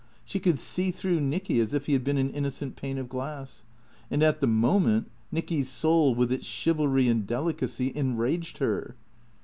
She could see through Nicky as if he had been an innocent pane of glass. And at the moment Xicky's soul with its chivalry and delicacy enraged her.